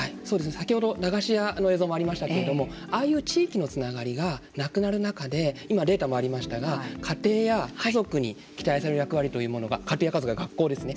先ほど駄菓子屋の映像もありましたけれどもああいう地域のつながりがなくなる中で今、データもありましたが家庭や家族に期待される役割というものが家庭というか学校ですね